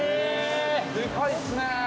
◆でかいっすねー！